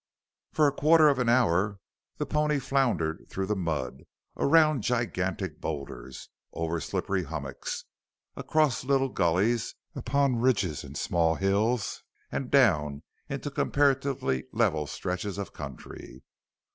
For another quarter of an hour the pony floundered through the mud, around gigantic boulders, over slippery hummocks, across little gullies, upon ridges and small hills and down into comparatively level stretches of country.